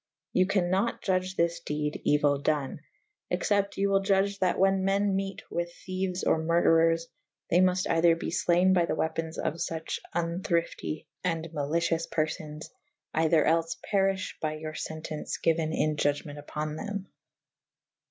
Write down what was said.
You ca« nat iuge this dede euyll done / except you wyll iudge that whan men mete with theuys or murderers / they mufte eyther be flayne by the wepons of fuche vnthryfty and maly cious perfones : eyther els peryffhe by your fentence gyuen in iudge ment vpon them.